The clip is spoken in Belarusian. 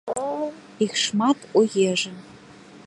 Іх шмат у ежы.